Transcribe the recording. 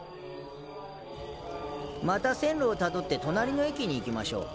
また線路をたどって隣の駅に行きましょう。